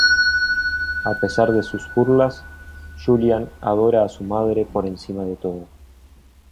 A pesar de sus burlas, Juliana adora a su madre por encima de todo.